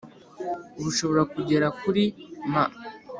bushobora kugera kuri m ,